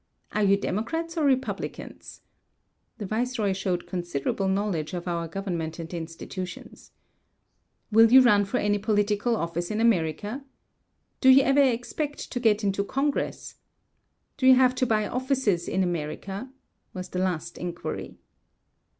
"Are you Democrats or Republicans?" (The viceroy showed considerable knowledge of our government and institutions.) "Will you run for any political office in America? Do you ever expect to get into Congress? "Do you have to buy offices in America?" was the last inquiry.